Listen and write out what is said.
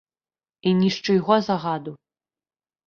І ні з чыйго загаду.